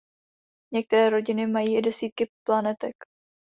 Některé rodiny mají i desítky planetek.